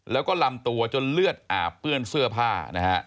แล้วก็ลำตัวจนเลือดอาบเปื้อนเสื้อผ้านะฮะ